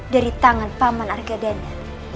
dari tangan paman arkadanda